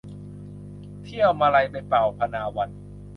เที่ยวมะไลไปเป่าพนาวัน